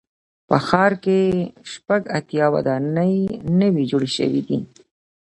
په ښار کې شپږ اتیا ودانۍ نوي جوړې شوې دي.